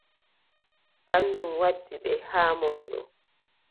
Kanjum waddi ɓe haa mon ɗo.